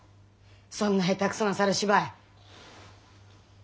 そんな下手くそな猿芝居。